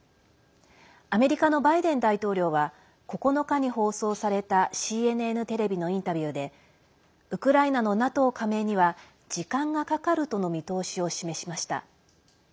アメリカのバイデン大統領は９日に放送されたＣＮＮテレビのインタビューでウクライナのＮＡＴＯ加盟には時間がかかるとの見通しを示しました。